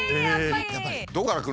やっぱり！